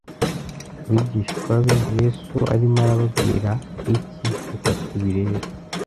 abigishwa be Yesu arimo arababwira iki Reka tubirebe